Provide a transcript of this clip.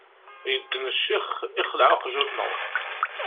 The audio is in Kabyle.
Yedden ccix, yexleε uqjun-nneɣ.